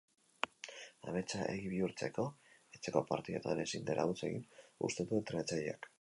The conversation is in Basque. Ametsa egi bihurtzeko, etxeko partidetan ezin dela huts egin uste du entrenatzaileak.